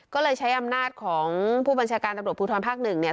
ก็เลยใช้อำนาจของผู้บัญชาการตำรวจภูทรภักดิ์๑